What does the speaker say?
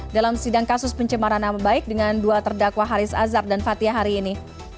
dalam sidang kasus pencemaran nama baik dengan dua terdakwa haris azhar dan fathia hari ini